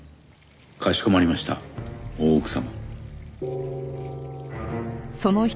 かしこまりました大奥様。